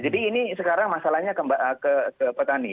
jadi ini sekarang masalahnya ke petani